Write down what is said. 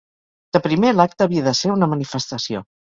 De primer, l’acte havia de ser una manifestació.